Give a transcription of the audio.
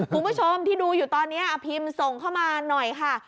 คุณผู้ชมที่ดูอยู่ตอนนี้พิมพ์ส่งเข้ามาหน่อยค่ะ